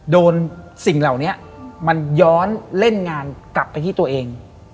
สิ่งเหล่านี้มันย้อนเล่นงานกลับไปที่ตัวเอง